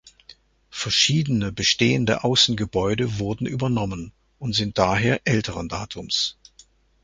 Verschiedene bestehende Außengebäude wurden übernommen und sind daher älteren Datums.